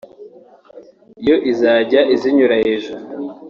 yo izajya izinyura hejuru